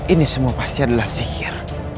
ini semua pasti adalah sihir